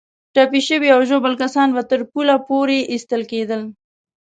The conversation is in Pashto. ټپي شوي او ژوبل کسان به تر پله پورې ایستل کېدل.